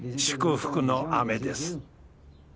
祝福の雨です。